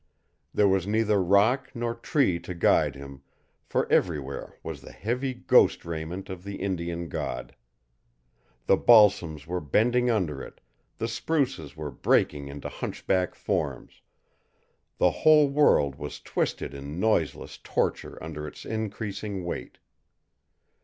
There was neither rock nor tree to guide him, for everywhere was the heavy ghost raiment of the Indian god. The balsams were bending under it, the spruces were breaking into hunchback forms, the whole world was twisted in noiseless torture under its increasing weight.